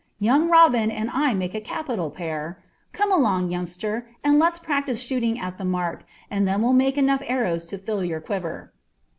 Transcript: Young Robin and I make a capital pair. Come along, youngster, and let's practise shooting at the mark, and then we'll make enough arrows to fill your quiver."